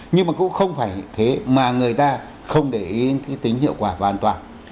nhưng mà cũng không phải thế mà người ta không để ý tính hiệu quả và an toàn